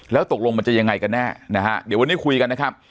แล้วตกลงมันจะยังไงกันแน่นะฮะเดี๋ยววันนี้คุยกันนะครับ